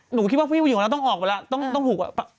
หนูคิดว่าผู้หญิงต้องออกไปแล้วต้องถูก